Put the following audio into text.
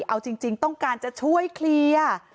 เอาจริงต้องการจะช่วยเคลียร์